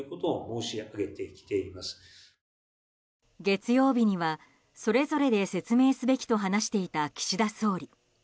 月曜日にはそれぞれで説明すべきと話していた岸田総理。